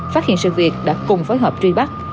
phát hiện sự việc đã cùng phối hợp truy bắt